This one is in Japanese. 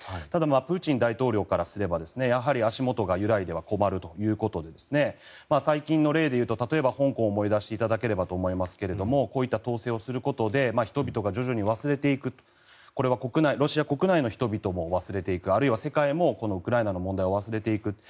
ただ、プーチン大統領からすればやはり足元が揺らいでは困るということで最近の例でいうと例えば香港を思い出していただければと思いますがこういった統制をすることで人々が徐々に忘れていくこれはロシア国内の人々もあるいは世界もウクライナの問題を忘れていく。